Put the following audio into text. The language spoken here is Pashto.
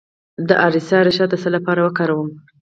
د اریسا ریښه د څه لپاره وکاروم؟